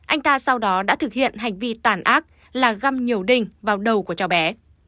anh ta sau đó đã thực hiện hành vi tản ác là găm nhiều đinh vào đầu của cháu bé